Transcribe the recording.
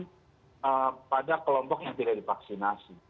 lockdown pada kelompok yang tidak divaksinasi